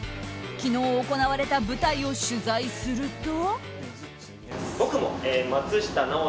昨日行われた舞台を取材すると。